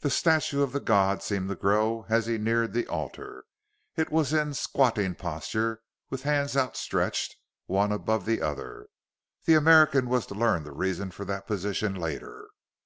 The statue of the god seemed to grow as he neared the altar; it was in squatting posture, with hands outstretched, one above the other. The American was to learn the reason for that position later.